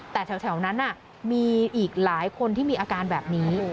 แต่แถวนั้นมีอีกหลายคนที่มีอาการแบบนี้